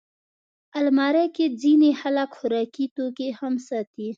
الماري کې ځینې خلک خوراکي توکي هم ساتي